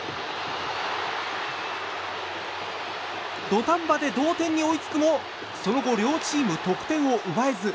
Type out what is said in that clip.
土壇場で同点に追いつくもその後、両チーム得点を奪えず。